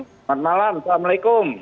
selamat malam assalamualaikum